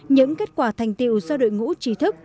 những kết quả thành tiệu do đội ngũ trí thức